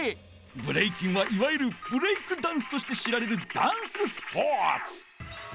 ブレイキンはいわゆるブレイクダンスとして知られるダンススポーツ！